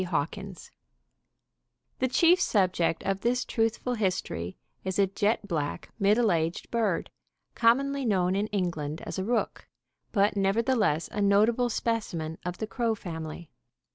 Hawkins The chief subject of this truthful history is a jet black, middle aged bird, commonly known in England as a rook, but nevertheless a notable specimen of the crow family.